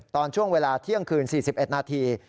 ตอนช่วงเวลาเที่ยงคืน๔๑นาที